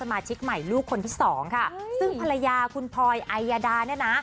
ชิกใหม่ลูกคนที่สองค่ะซึ่งภรรยาคุณพลอยไอยาดาเนี่ยนะ